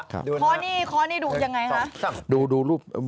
ของนี้ดูยังไงค่ะ